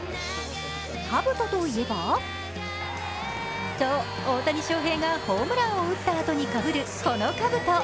かぶとといえばそう、大谷翔平がホームランを打ったあとにかぶる、このかぶと。